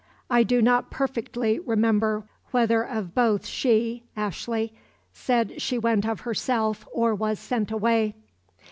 I do not perfectly remember whether of both she [Ashley] said she went of herself or was sent away."